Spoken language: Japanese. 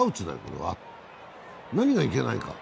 何がいけないか。